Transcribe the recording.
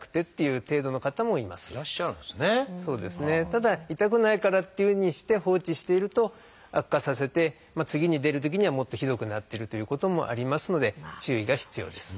ただ痛くないからっていうふうにして放置していると悪化させて次に出るときにはもっとひどくなってるということもありますので注意が必要です。